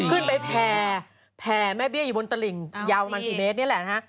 ขึ้นไปแผ่แม่เบี้ยอยู่บนตระหลิงยาวมัน๔เมตรนี่แหละนะฮะ